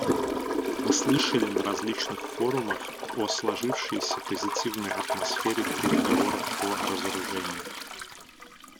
Мы слышали на различных форумах о сложившейся позитивной атмосфере в переговорах по разоружению.